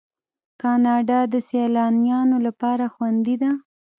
کاناډا د سیلانیانو لپاره خوندي ده.